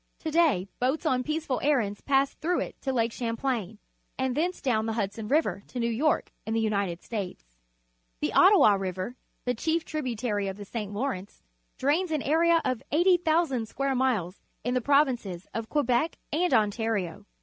To day boats on peaceful errands pass through it to Lake Champlain, and thence down the Hudson River to New York, in the United States. 92 PUBLIC SCHOOL GEOGRAPHY The Ottawa River, the chief tributarj' of the St. Lawrence, drains an area of 80,000 square miles in tlie provinces of Quebec and Ontario